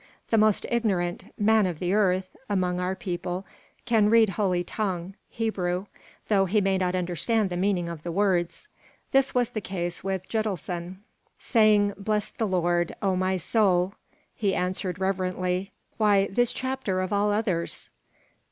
The most ignorant "man of the earth" among our people can read holy tongue (Hebrew), though he may not understand the meaning of the words. This was the case with Gitelson "Saying, 'Bless the Lord, O my soul'?" he asked, reverently. "Why this chapter of all others?"